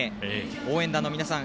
応援団の皆さん